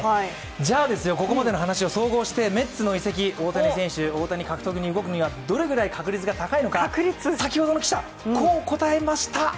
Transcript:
じゃあここまでの話を総合してメッツの移籍、大谷獲得に動くにはどれぐらい確率が高いのか、先ほどの記者こう答えました。